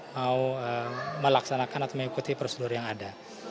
mau melaksanakan atau mengikuti prosedur yang ada